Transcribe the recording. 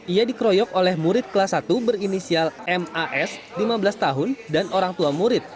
ia dikeroyok oleh murid kelas satu berinisial mas lima belas tahun dan orang tua murid